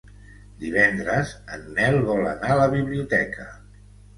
Divendres en Nel vol anar a la biblioteca.